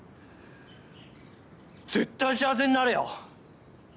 絶対幸せになれよ！